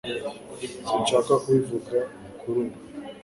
sinshaka kubivuga kuri ubu